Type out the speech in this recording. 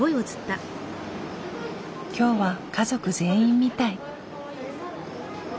今日は家族全員みたい。